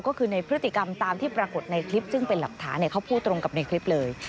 ก็คือในพฤติกรรมตามที่ปรากฏในคลิปซึ่งเป็นหลักฐานเขาพูดตรงกับในคลิปเลย